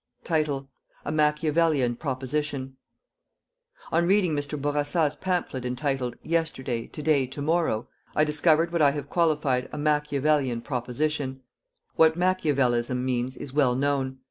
A MACHIAVELLIAN PROPOSITION. On reading Mr. Bourassa's pamphlet entitled: Yesterday, To day, To morrow, I discovered what I have qualified a Machiavellian proposition. What Machiavellism means is well known.